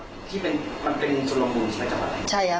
ที่เป็นความเป็นสนลมบุญใช้จังหวะไหม